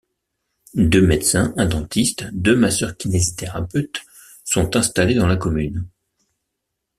Deux médecins, un dentiste, deux masseurs-kinésithérapeutes sont installés dans la commune.